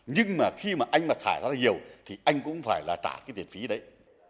nhưng mà khi mà anh mà xả thải nhiều thì anh cũng phải là trả cái tiền phí đấy